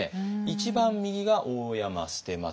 一番右が大山捨松。